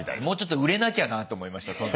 もうちょっと売れなきゃなと思いました